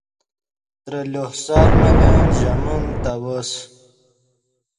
ترے لوہ سال ملن ژے من تا وس